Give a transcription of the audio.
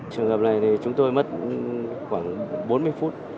trường hợp này thì chúng tôi mất khoảng bốn mươi phút